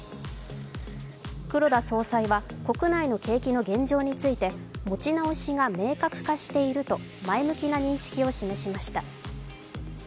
黒田総裁は、国内の景気の現状について持ち直しが明確化していると前向きな認識を示しました。